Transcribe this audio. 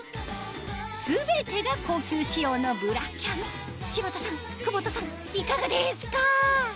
全てが高級仕様のブラキャミ柴田さん久保田さんいかがですか？